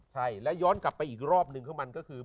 ใช่แล้วย้อนกลับไปอีกรอบหนึ่งของมันก็คือ